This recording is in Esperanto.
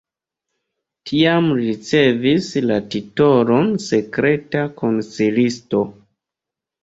Tiam li ricevis la titolon sekreta konsilisto.